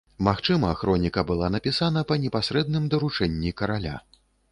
Магчыма, хроніка была напісана па непасрэдным даручэнні караля.